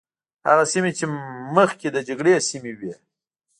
هغه سیمې چې مخکې د جګړې سیمې وي.